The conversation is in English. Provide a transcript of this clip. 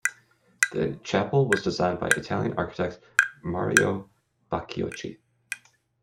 The chapel was designed by Italian architect Mario Bacciocchi.